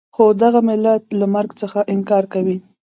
خو دغه ملت له مرګ څخه انکار کوي.